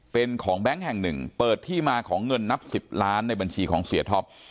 เป็นของแบงค์แห่งหนึ่งเปิดที่มาของเงินนับ๑๐ล้านในบัญชีของเสียท็อป